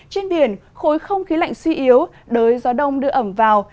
trên biển khối không khí lạnh suy yếu đới gió đông đưa ẩm vào